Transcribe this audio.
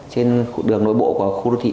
trên đường nối bộ của khu đô thị